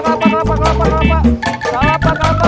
kelapa kelapa kelapa kelapa